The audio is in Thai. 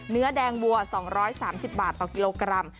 เนื้อแดงวัว๒๓๐บาทต่อกิโลกรัม